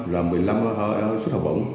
là một mươi năm suất học bổng